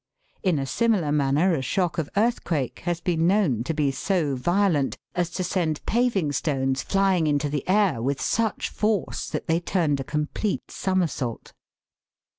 In a similar manner a shock of earthquake has been known to be so violent as to send paving stones flying into the air, with such force that they turned a complete somersault.